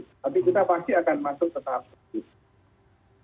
tapi kita pasti akan masuk ke tahap berikut